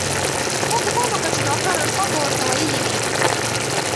ما ګومان وکړ چې ډاکتر عرفان به ورته ويلي وي.